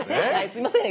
すいません